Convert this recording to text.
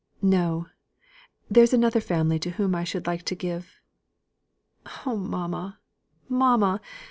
No! there's another family to whom I should like to give Oh mamma, mamma!